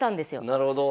なるほど。